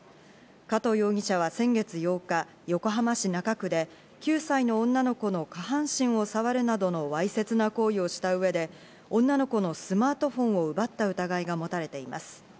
加藤容疑者は先月８日、横浜市中区で９歳の女の子の下半身をさわるなどのわいせつな行為をした上で、女の子のスマートフォンを奪った疑いが持たれています。